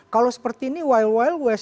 kalau seperti ini wild wild